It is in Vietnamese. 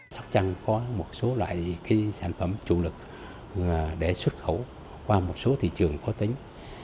sóc trăng có một số loại sản phẩm chủ lực để xuất khẩu qua một số thị trường khó tính